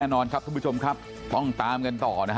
แน่นอนครับทุกผู้ชมครับต้องตามกันต่อนะฮะ